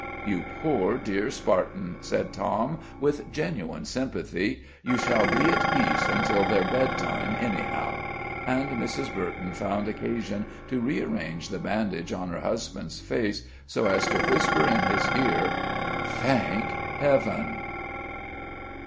"You poor, dear Spartan," said Tom, with genuine sympathy, "you shall be at peace until their bedtime anyhow." And Mrs. Burton found occasion to rearrange the bandage on her husband's face so as to whisper in his ear: "Thank Heaven!"